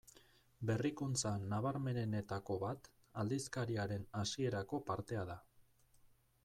Berrikuntza nabarmenenetako bat aldizkariaren hasierako partea da.